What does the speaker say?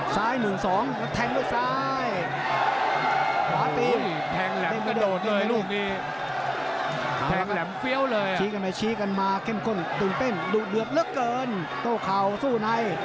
ซ้าย๑๒แล้วแทงเร็วสาย